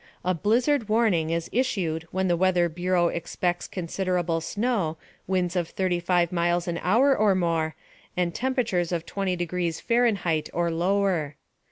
A blizzard warning is issued when the Weather Bureau expects considerable snow, winds of 35 miles an hour or more, and temperatures of 20 degrees Fahrenheit or lower.